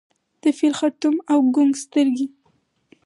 د فیل خړتوم او کونګ سترګي